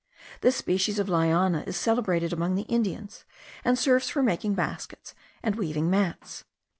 This species of liana is celebrated among the Indians, and serves for making baskets and weaving mats.